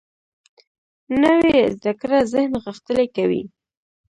نوې زده کړه ذهن غښتلی کوي